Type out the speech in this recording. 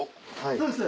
そうです・